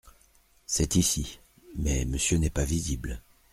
C’est ici… mais Monsieur n’est pas visible…